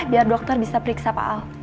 biar dokter bisa periksa pak ahok